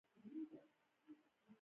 یوه پر بل اغېز لري